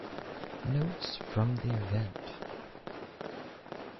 Notes from the Event.